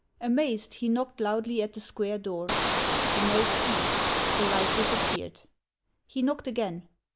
Amazed, he knocked loudly at the square door. The noise ceased ; the light disappeared. He knocked again.